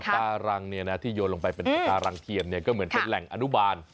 การังที่โยนลงไปเป็นปากการังเทียมก็เหมือนเป็นแหล่งอนุบาล